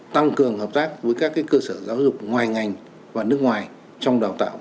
tăng cường hợp tác với các cơ sở giáo dục ngoài ngành và nước ngoài trong đào tạo